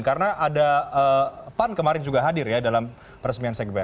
karena pan kemarin juga hadir ya dalam peresmian sekber